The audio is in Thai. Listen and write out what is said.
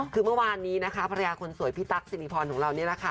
คือเมื่อวานนี้นะคะภรรยาคนสวยพี่ตั๊กสิริพรของเรานี่แหละค่ะ